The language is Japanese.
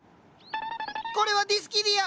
これはディスキディア。